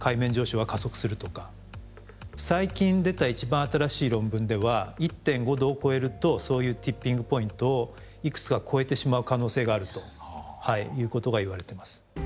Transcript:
最近出た一番新しい論文では１．５℃を超えるとそういうティッピング・ポイントをいくつか超えてしまう可能性があるということがいわれてます。